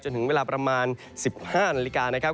ถึงเวลาประมาณ๑๕นาฬิกานะครับ